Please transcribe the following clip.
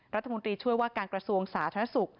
รัฐมนตรีช่วยว่าการกระทรวงสาธารณสุข